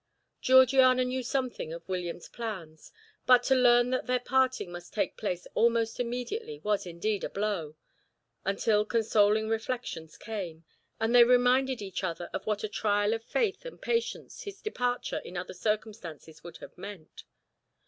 Georgiana knew something of William's plans, but to learn that their parting must take place almost immediately was indeed a blow, until consoling reflections came, and they reminded each other of what a trial of faith and patience his departure in other circumstances would have meant.